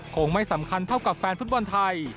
คงไม่สำคัญเท่ากับแฟนฟุตบอลไทย